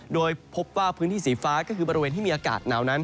โดยพบว่าพื้นที่สีฟ้าก็คือบริเวณที่มีอากาศหนาวนั้น